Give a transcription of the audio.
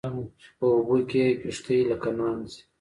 په اوبو کې یې کشتۍ لکه نهنګ ځي